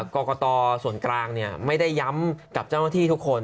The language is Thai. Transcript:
กรกตส่วนกลางไม่ได้ย้ำกับเจ้าหน้าที่ทุกคน